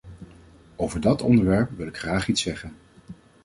Over dat onderwerp wil ik graag iets zeggen.